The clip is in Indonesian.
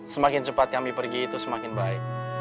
semakin cepat kami pergi itu semakin baik